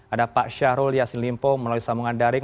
ada pak syahrul yasin limpong melalui samungan daring